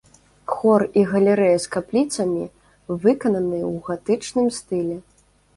Хор і галерэя з капліцамі выкананы ў гатычным стылі.